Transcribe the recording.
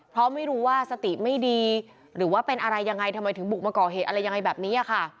เพราะไม่รู้ว่าสติไม่ดีหรือว่าเป็นอะไรยังไงทำไมถึงบุกมาก่อเหตุอะไรยังไงแบบนี้ค่ะ